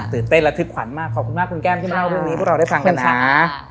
ตื่นเต้นและทึกขวัญมากขอบคุณมากคุณแก้มที่มาเล่าวันนี้พวกเราได้ฟังกันนะ